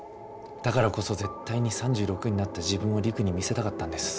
だからこそ絶対に３６になった自分を璃久に見せたかったんです。